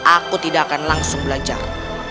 aku tidak akan langsung belajar